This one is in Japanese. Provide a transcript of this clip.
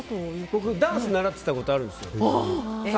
僕、ダンス習ってたことあるんですよ。